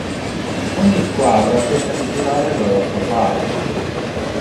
Ogni squadra cerca di tirare dalla sua parte.